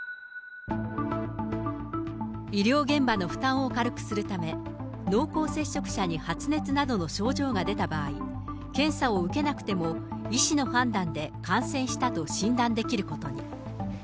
医療現場の負担を軽くするため、濃厚接触者に発熱などの症状が出た場合、検査を受けなくても医師の判断で感染したと診断できることに。